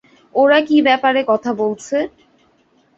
ওরা কী ব্যাপারে কথা বলছে?